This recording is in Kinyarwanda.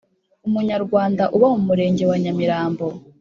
umunyarwanda uba mu Murenge wa Nyamirambo